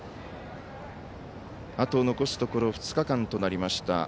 あと残すところ２日間となりました。